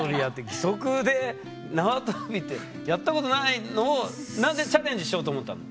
義足でなわとびってやったことないのをなぜチャレンジしようと思ったの？